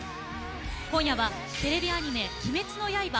今夜はテレビアニメ「「鬼滅の刃」